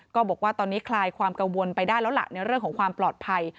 ก็บอกว่าตอนนี้คลายความกังวลไปได้แล้วล่ะในเรื่องของความปลอดภัย